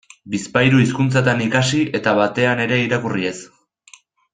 Bizpahiru hizkuntzatan ikasi eta batean ere irakurri ez.